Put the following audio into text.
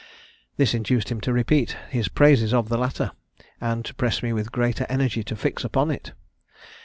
This induced him to repeat his praises of the latter, and to press me with greater energy to fix upon it.